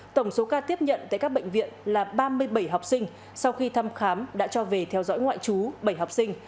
tổng số ca tiếp nhận tại các bệnh viện là ba mươi bảy học sinh sau khi thăm khám đã cho về theo dõi ngoại trú bảy học sinh